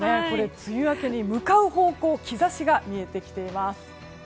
梅雨明けに向かう方向、兆しが見えてきています。